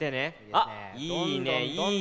あっいいねいいね。